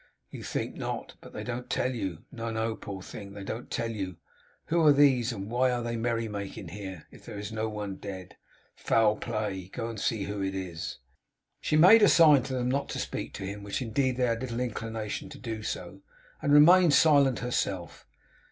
'You think not. But they don't tell you. No, no, poor thing! They don't tell you. Who are these, and why are they merry making here, if there is no one dead? Foul play! Go see who it is!' She made a sign to them not to speak to him, which indeed they had little inclination to do; and remained silent herself.